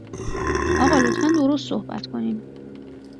آقا لطفاً درست صحبت کنین